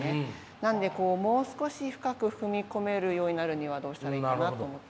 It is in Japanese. なんでもう少し深く踏み込めるようになるにはどうしたらいいかなと思って。